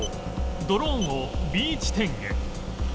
ドローンを Ｂ 地点へ